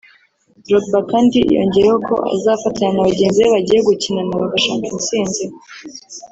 Drogba kandi yongeyeho ko azafatanya na bagenzi be bagiye gukinana bagashaka intsinzi